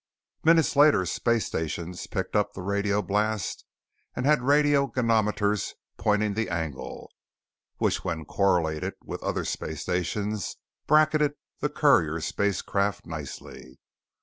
Minutes later space stations picked up the radio blast and had radiogoniometers pointing the angle; which when correlated with other space stations bracketed the courier spacecraft nicely.